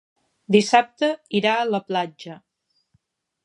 Dissabte irà a la platja.